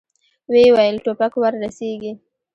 ويې ويل: ټوپک ور رسېږي!